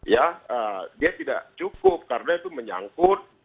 ya dia tidak cukup karena itu menyangkut